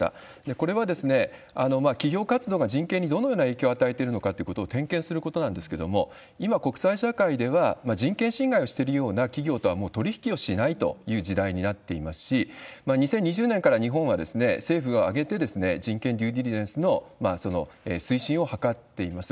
これは、企業活動が人権にどのような影響を与えているのかっていうことを点検することなんですけれども、今、国際社会では、人権侵害をしているような企業とはもう取り引きをしないという時代になっていますし、２０２０年から、日本は政府を上げて、人権デュー・ディリジェンスの推進を図っています。